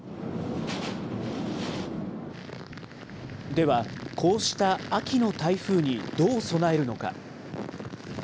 では、こうした秋の台風にどう備えるのか。